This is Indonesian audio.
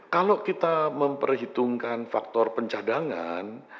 kalau kita memperhitungkan faktor pencadangan